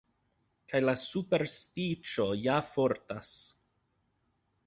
Kaj la superstiĉo ja fortas.